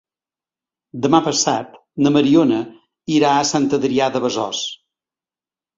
Demà passat na Mariona irà a Sant Adrià de Besòs.